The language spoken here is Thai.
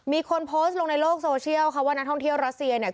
มีคนโพสต์ลงในโลกโซเชียลค่ะว่านักท่องเที่ยวรัสเซียเนี่ย